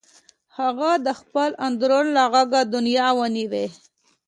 هغه د خپل اندرون له غږه دنیا ویني